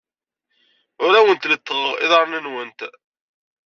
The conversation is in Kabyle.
Ur awent-lettfeɣ iḍarren-nwent.